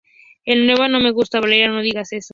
la nueva no me gusta. Valeria, no digas eso